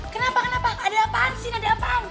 kenapa kenapa ada apaan sih ada apaan